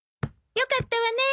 よかったわね。